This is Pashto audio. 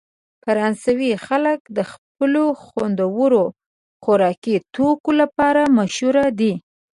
فرانسوي خلک د خپلو خوندورو خوراکي توکو لپاره مشهوره دي.